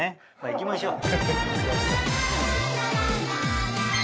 行きましょう。